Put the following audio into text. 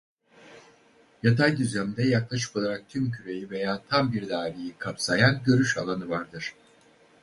Yatay düzlemde yaklaşık olarak tüm küreyi veya tam bir daireyi kapsayan görüş alanı vardır.